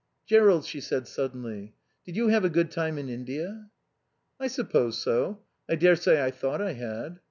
"Jerrold," she said, suddenly, "did you have a good time in India?" "I suppose so. I dare say I thought I had."